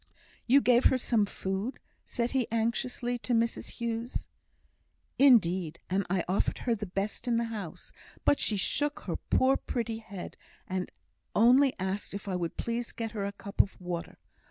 "You gave her some food?" said he, anxiously, to Mrs Hughes. "Indeed, and I offered her the best in the house, but she shook her poor pretty head, and only asked if I would please to get her a cup of water.